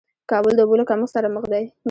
کابل د اوبو له کمښت سره مخ دې